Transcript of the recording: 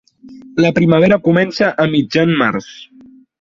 La primavera comença a mitjan març.